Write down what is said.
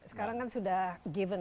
sekarang kan sudah given